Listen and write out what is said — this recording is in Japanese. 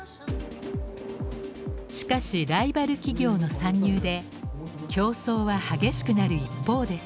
しかしライバル企業の参入で競争は激しくなる一方です。